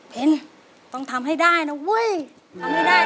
เป็นต้องทำให้ได้นะเว้ย